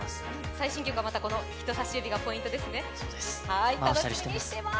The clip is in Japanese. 最新曲はまたこの人さし指がポイントですね、楽しみにしています。